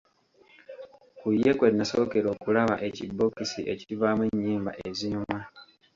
Ku ye kwe nasookera okulaba ekibookisi ekivaamu ennyimba ezinyuma.